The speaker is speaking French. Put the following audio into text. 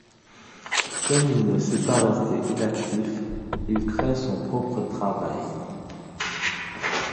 Comme il ne sait pas rester inactif, il crée son propre travail.